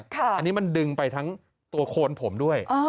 อันนี้มันดึงไปทั้งตัวโคนผมด้วย